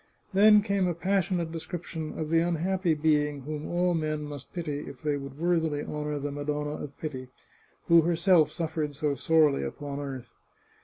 Then came a passionate description of the unhappy being whom all men must pity if they would worthily honour the Madonna of Pity, who herself suffered so sorely upon earth.